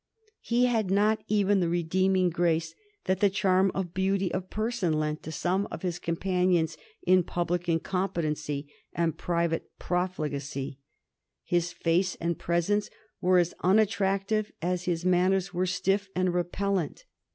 He had not even the redeeming grace that the charm of beauty of person lent to some of his companions in public incompetency and private profligacy. His face and presence were as unattractive as his manners were stiff and repellent.